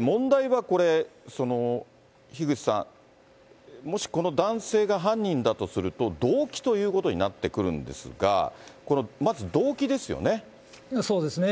問題はこれ、樋口さん、もしこの男性が犯人だとすると、動機ということになってくるんですが、そうですね。